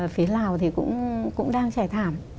phía lào thì cũng đang trải thảm